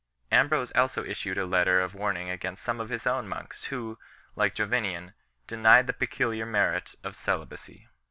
Ambrose also issued a letter 1 of warning against some of his own monks who, like Jovinian, denied the peculiar merit of celibacy.